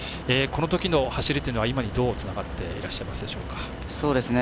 このときの走りというのは今にどうつながっていらっしゃいますでしょうか。